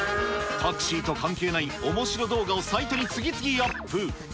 タクシーとは関係ないおもしろ動画をサイトに次々アップ。